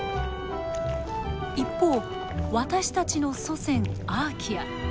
一方私たちの祖先アーキア。